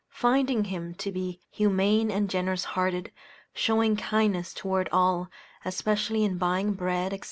Finding him to be humane and generous hearted showing kindness toward all, especially in buying bread, &c.